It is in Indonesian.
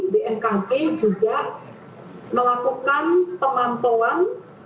dmkg juga melakukan pemantauan